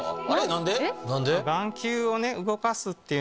何で？